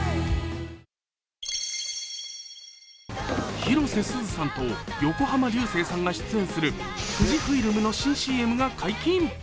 広瀬すずさんと横浜流星さんが出演する富士フイルムの新ＣＭが解禁。